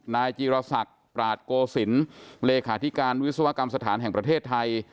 นายจีรศักดิ์ปราศโกศิลป์เลขาธิการวิศวกรรมสถานแห่งประเทศไทย